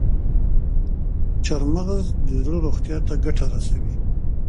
چارمغز د زړه روغتیا ته ګټه رسوي.